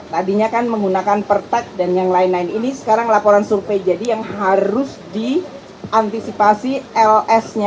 tadinya kan menggunakan pertek dan yang lain lain ini sekarang laporan survei jadi yang harus diantisipasi ls nya